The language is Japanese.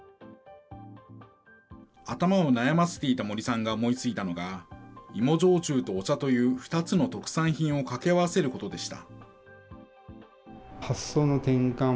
頭を悩ませていた森さんが思いついたのが、芋焼酎とお茶という２つの特産品を掛け合わせることでした。